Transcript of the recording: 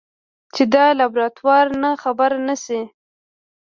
چې د لابراتوار نه خبره نشي.